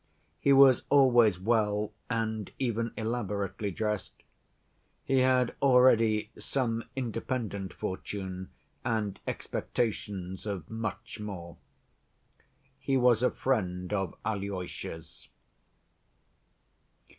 He was always well and even elaborately dressed; he had already some independent fortune and expectations of much more. He was a friend of Alyosha's.